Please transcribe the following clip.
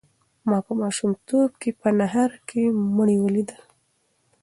ما په ماشومتوب کې په نهر کې مړي ولیدل.